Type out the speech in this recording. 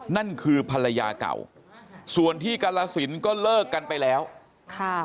นั่นคือภรรยาเก่าส่วนที่กรสินก็เลิกกันไปแล้วค่ะ